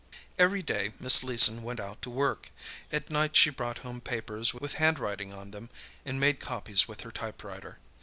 Every day Miss Leeson went out to work. At night she brought home papers with handwriting on them and made copies with her typewriter.